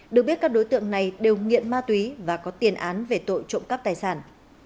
được biết các đối tượng này đều nghiện ma túy và có tiền án về tội trộm cắp tài sản